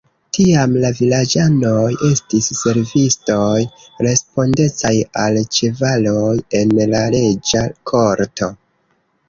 Tiam la vilaĝanoj estis servistoj respondecaj al ĉevaloj en la reĝa korto.